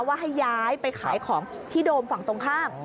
ว่าให้ย้ายไปขายของที่โดมฝั่งตรงข้าม